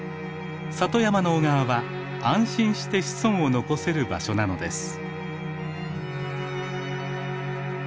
里山の小川は安心して子孫を残せる場所なのです。